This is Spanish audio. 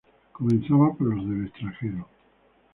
Comenzaba por los del extranjero.